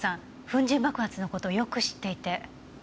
粉塵爆発の事をよく知っていて。